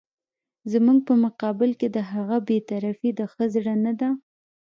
زموږ په مقابل کې د هغه بې طرفي د ښه زړه نه ده.